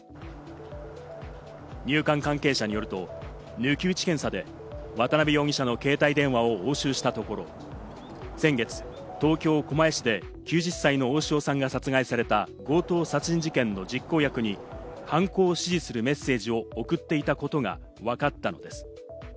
入管関係者によると、抜き打ち検査で渡辺容疑者の携帯電話を押収したところ、先月、東京・狛江市で９０歳の大塩さんが殺害された強盗殺人事件の実行役に犯行を指示するメッセージを送っていたことがわかったのです。